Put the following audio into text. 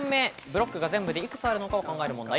ブロックが全部で幾つあるのかを考える問題。